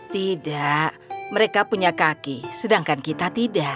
tidak mereka punya kaki sedangkan kita tidak